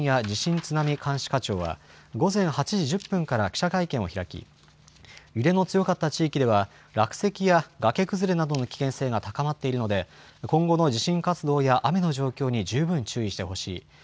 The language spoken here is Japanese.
地震津波監視課長は、午前８時１０分から記者会見を開き、揺れの強かった地域では、落石や崖崩れなどの危険性が高まっているので、今後の地震活動や雨の状況に十分注意してほしい。